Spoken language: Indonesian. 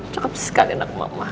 cakep sekali anak mama